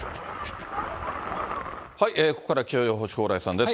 ここから気象予報士、蓬莱さんです。